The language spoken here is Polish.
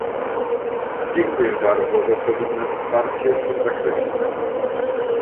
Dziękuję bardzo za solidne wsparcie w tym zakresie